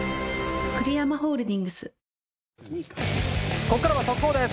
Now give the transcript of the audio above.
ここからは速報です。